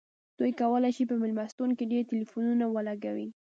دوی کولی شي په میلمستون کې ډیر ټیلیفونونه ولګوي